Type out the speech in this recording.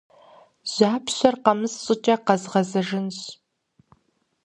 Жьапщэр къэмыс щӀыкӀэ къэзгъэзэжынщ.